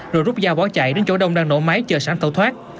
rồi rút dao bó chạy đến chỗ đông đang nổ máy chờ sẵn tẩu thoát